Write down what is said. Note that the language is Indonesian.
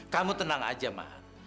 kamu tenang aja man